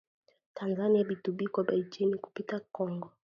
Tanzania bitu biko bei chini kupita kongo